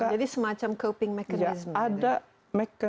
jadi semacam coping mekanisme